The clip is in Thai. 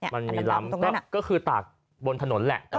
มันมีล้ำก็คือตากบนถนนแหละ